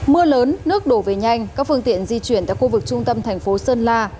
mưa lớn nước đổ về nhanh các phương tiện di chuyển tại khu vực trung tâm tp sơn la